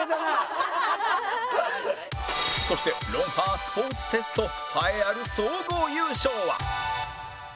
そして『ロンハー』スポーツテスト栄えある総合優勝は